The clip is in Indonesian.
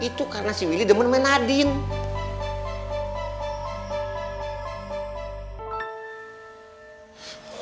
itu karena si willy demen sama nadine